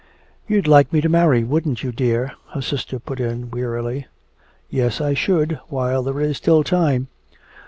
"You'd like me to marry, wouldn't you, dear?" her sister put in wearily. "Yes, I should, while there is still time!